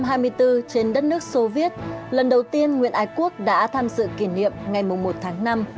năm một nghìn chín trăm hai mươi bốn trên đất nước soviet lần đầu tiên nguyễn ái quốc đã tham dự kỷ niệm ngày một tháng năm